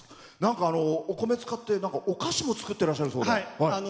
お米使って、お菓子も作ってらっしゃるそうで。